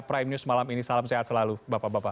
prime news malam ini salam sehat selalu bapak bapak